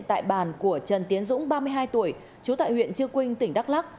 tại bàn của trần tiến dũng ba mươi hai tuổi chú tại huyện chưa quynh tỉnh đắk lắc